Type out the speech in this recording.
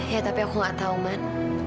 ya tapi aku nggak tahu man